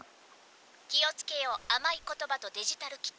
「気をつけよう甘い言葉とデジタル機器」。